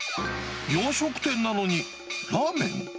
洋食店なのに、ラーメン？